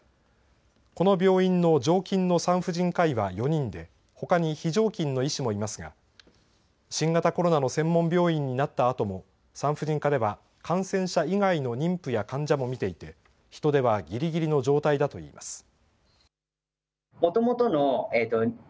この病院の常勤の産婦人科医は４人でほかに非常勤の医師もいますが新型コロナの専門病院になったあとも産婦人科では感染者以外の妊婦や患者も診ていて人手はぎりぎりの状態だといいます。